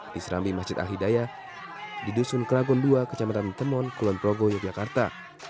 di serambi masjid al hidayah di dusun kragun dua kecamatan kemon kulonprogo yogyakarta